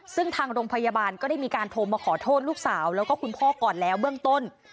ซึ่งทางโรงพยาบาลก็ได้มีการโทรมาขอโทษลูกสาวแล้วก็คุณพ่อก่อนแล้วเบื้องต้น